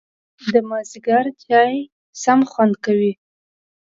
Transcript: د مازیګر چای سم خوند کوي